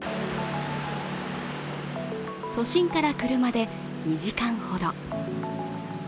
都心から車で２時間ほど。